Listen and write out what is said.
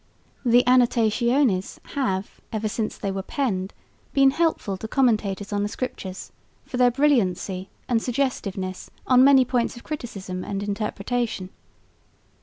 The Annotationes have, ever since they were penned, been helpful to commentators on the Scriptures for their brilliancy and suggestiveness on many points of criticism and interpretation.